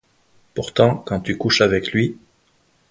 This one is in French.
Pourtant quand tu couches avec lui.